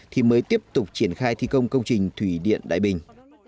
thì mới tiếp tục triển khai thi công công trình thủy điện đại bình